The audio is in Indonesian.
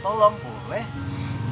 keluarga yang lulus